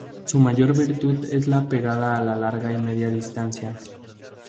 Su mayor virtud es la pegada a larga y media distancia.